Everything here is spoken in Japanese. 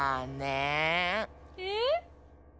えっ？